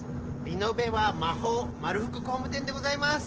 リノベは魔法まるふく工務店でございます。